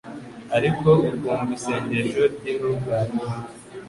ariko akumva isengesho ry’intungane